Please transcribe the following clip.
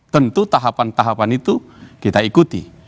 tentu tahapan tahapan itu kita ikuti